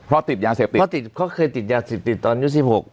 เพราะติดยาเสพติดเพราะติดเขาเคยติดยาเสพติดตอนยุค๑๖